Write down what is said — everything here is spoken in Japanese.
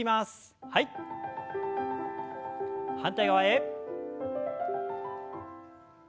反対側へ。